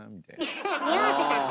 におわせたんだ？